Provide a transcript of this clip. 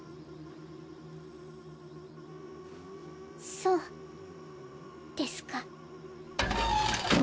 そうですか。